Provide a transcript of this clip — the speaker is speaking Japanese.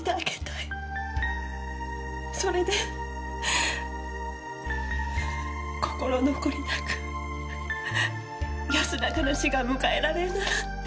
それで心残りなく安らかな死が迎えられるならって。